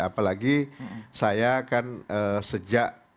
apalagi saya kan sejak